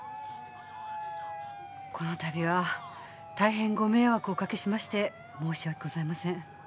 このたびは大変ご迷惑をおかけしまして申し訳ございません。